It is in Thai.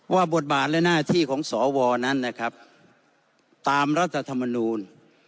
ว่าบทบาทและหน้าที่ของสวนะตามรัฐธรรมนูล